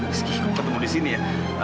terus ketemu di sini ya